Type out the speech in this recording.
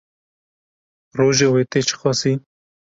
Roja wê tê çi qasî?